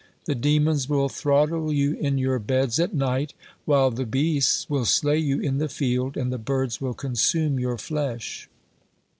The demons will throttle you in your beds at night, while the beasts will slay you in the field, and the birds will consume your flesh."